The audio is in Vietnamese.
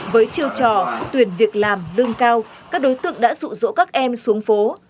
với chiêu trò tuyển việc làm lương cao các đối tượng đã rụ rỗ các em xuống phố